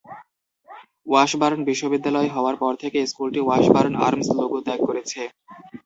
"Washburne বিশ্ববিদ্যালয়" হওয়ার পর থেকে স্কুলটি "ওয়াশবার্ন আর্মস লোগো" ত্যাগ করেছে।